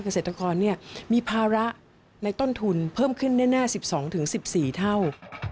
เกษตรกรมีภาระในต้นทุนเพิ่มขึ้นแน่๑๒๑๔เท่า